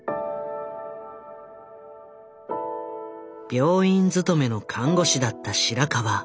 病院勤めの看護師だった白川。